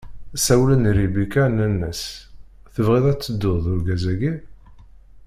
Sawlen i Ribika, nnan-as: Tebɣiḍ ad tedduḍ d urgaz-agi?